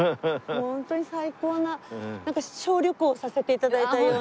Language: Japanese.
もうホントに最高ななんか小旅行をさせて頂いたような。